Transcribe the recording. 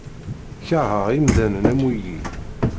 Kerheɣ imdanen am wiyi.